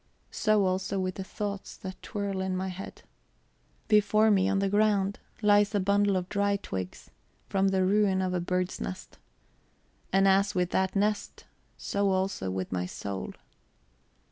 So also with the thoughts that twirl in my head. Before me, on the ground, lies a bundle of dry twigs, from the ruin of a bird's nest. And as with that nest, so also with my soul.